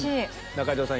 中条さん